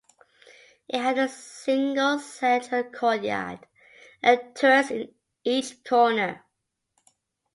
It had a single central courtyard and turrets in each corner.